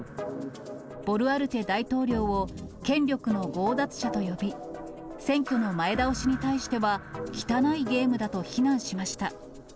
ボルアルテ大統領を権力の強奪者と呼び、選挙の前倒しに対しては、汚いゲームだと非難しました。